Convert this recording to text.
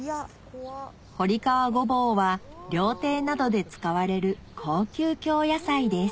堀川ゴボウは料亭などで使われる高級京野菜です